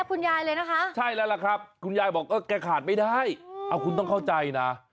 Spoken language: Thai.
คุณยายเลยนะคะคุณยายบอกแกขาดไม่ได้คุณต้องเข้าใจนะ